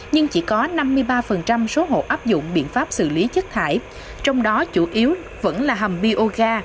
nhưng chỉ có năm mươi ba số hộ áp dụng biện pháp xử lý chất thải trong đó chủ yếu vẫn là hầm bi ô ga